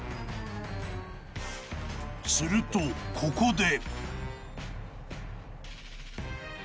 ［するとここで］